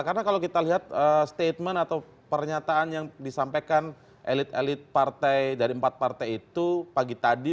karena kalau kita lihat statement atau pernyataan yang disampaikan elit elit partai dari empat partai itu pagi tadi